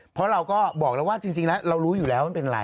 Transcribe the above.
เพราะเราก็บอกแล้วว่าจริงแล้วเรารู้อยู่แล้วมันเป็นอะไร